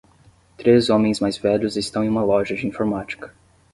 Três homens mais velhos estão em uma loja de informática.